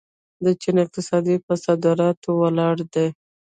د چین اقتصاد په صادراتو ولاړ دی.